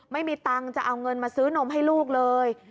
ไม่มีตังค์จะเอาเงินมาซื้อนมให้ลูกเลย